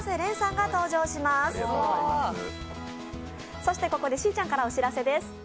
そして、ここでしーちゃんからお知らせです。